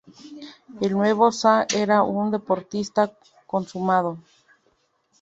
El nuevo Sah era un deportista consumado.